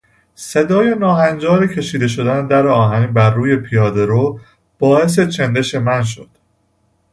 صدای ناهنجار کشیده شدن در آهنی بر روی پیادهرو باعث چندش من شد.